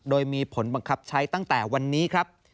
โดยมีผลบังคับใช้ตั้งแต่วันนี้ครับ